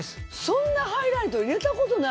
そんなハイライト入れた事ないですよ。